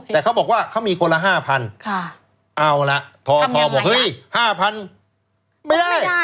แต่เขาบอกว่าเขามีคนละ๕๐๐เอาละทอบอกเฮ้ย๕๐๐๐ไม่ได้